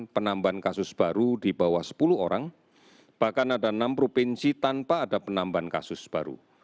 penambahan kasus baru di bawah sepuluh orang bahkan ada enam provinsi tanpa ada penambahan kasus baru